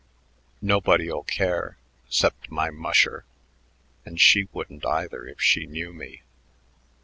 Nobody'll care 'cept my musher, and she wouldn't either if she knew me.